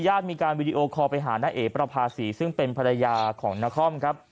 มีการวิดีโอคอลไปหาน้าเอ๋ประภาษีซึ่งเป็นภรรยาของนครครับ